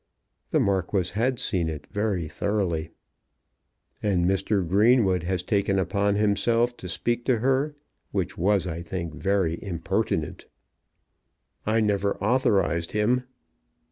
The Marquis had seen it very thoroughly. "And Mr. Greenwood has taken upon himself to speak to her, which was, I think, very impertinent." "I never authorized him."